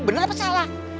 bener apa salah